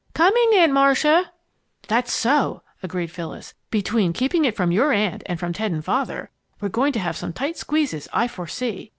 Coming, Aunt Marcia!" "That's so!" agreed Phyllis. "Between keeping it from your aunt and from Ted and Father, we're going to have some tight squeezes, I foresee!